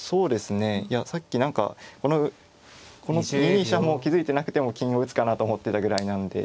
いやさっき何かこの２二飛車も気付いてなくても金を打つかなと思ってたぐらいなので。